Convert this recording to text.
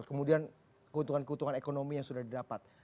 kemudian keuntungan keuntungan ekonomi yang sudah didapat